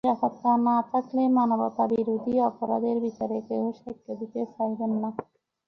নিরাপত্তা না থাকলে মানবতাবিরোধী অপরাধের বিচারে কেউ সাক্ষ্য দিতে চাইবেন না।